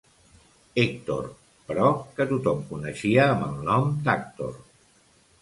Hèctor, però que tothom coneixia amb el nom d'Àctor.